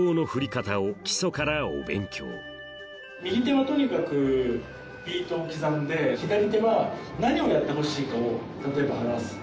こちらも右手はとにかくビートを刻んで左手は何をやってほしいかを例えば話す。